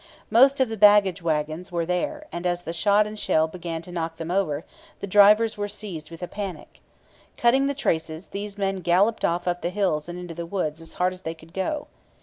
Most of the baggage wagons were there; and, as the shot and shell began to knock them over, the drivers were seized with a panic. Cutting the traces, these men galloped off up the hills and into the woods as hard as they could go.